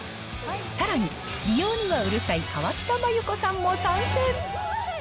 さらに、美容にはうるさい、河北麻友子さんも参戦。